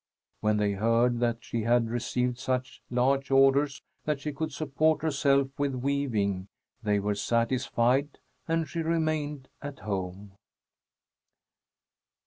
When they heard that she had received such large orders that she could support herself with weaving, they were satisfied, and she remained at home.